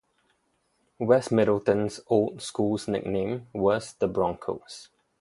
West Middleton's old school's nickname was the Broncos.